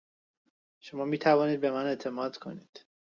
شما می توانید به من اعتماد کنید.